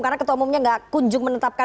karena ketua umumnya gak kunjung menetapkan